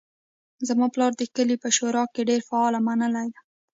زما پلار د کلي په شورا کې ډیر فعال او منلی ده